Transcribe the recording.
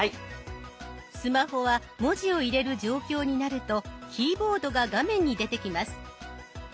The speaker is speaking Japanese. スマホは文字を入れる状況になるとキーボードが画面に出てきます。